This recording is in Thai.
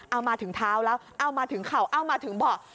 เอามาถึงเท้าแล้วเอามาถึงเข่าเอ้ามาถึงเบาะ